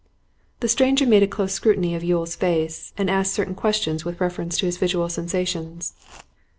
The stranger made a close scrutiny of Yule's face, and asked certain questions with reference to his visual sensations.